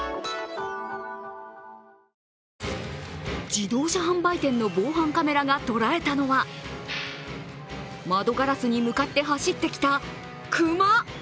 自動車販売店の防犯カメラが捉えたのは窓ガラスに向かって走ってきた熊。